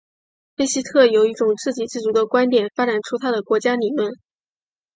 费希特由一种自给自足的观点发展出他的国家理论。